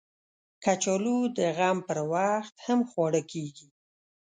کچالو د غم پر وخت هم خواړه کېږي